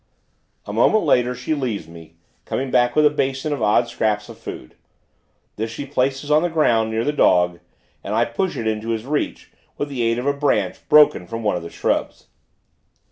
A minute later, she leaves me; coming back with a basin of odd scraps of food. This she places on the ground, near the dog, and I push it into his reach, with the aid of a branch, broken from one of the shrubs.